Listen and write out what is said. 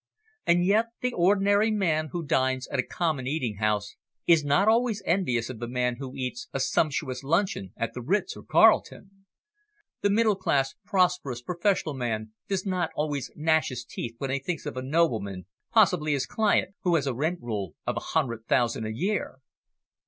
And yet the ordinary man who dines at a common eating house is not always envious of the man who eats a sumptuous luncheon at the Ritz or Carlton. The middle class prosperous professional man does not always gnash his teeth when he thinks of a nobleman, possibly his client, who has a rent roll of a hundred thousand a year.